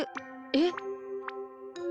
えっ？